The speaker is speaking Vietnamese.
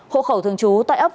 hộ khẩu thường trú tại ấp